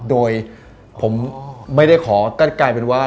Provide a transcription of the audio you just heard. โดยผมไม่ได้ขอก็กลายเป็นว่า